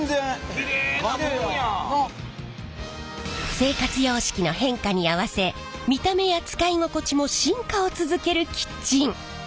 生活様式の変化に合わせ見た目や使い心地も進化を続けるキッチン！